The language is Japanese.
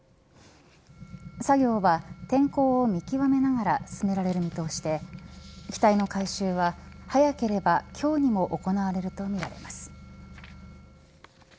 作業は天候を見極めながら進められる見通しで機体の回収は早ければ今日にも行われるとみられます。